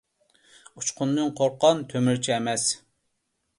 ئۇچقۇندىن قورققان تۆمۈرچى ئەمەس.